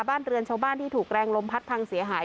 บ้านเรือนชาวบ้านที่ถูกแรงลมพัดพังเสียหาย